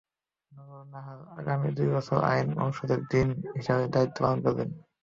নুরুন নাহার আগামী দুই বছর আইন অনুষদের ডিন হিসেবে দায়িত্ব পালন করবেন।